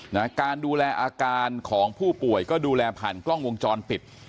การดูแลอาการของผู้ป่วยก็ดูแลผ่านกล้องวงจรปิด